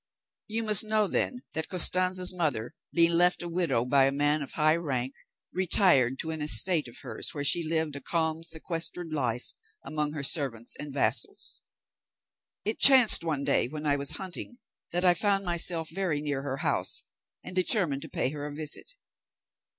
"You must know, then, that Costanza's mother, being left a widow by a man of high rank, retired to an estate of hers, where she lived a calm sequestered life among her servants and vassals. It chanced one day when I was hunting, that I found myself very near her house and determined to pay her a visit.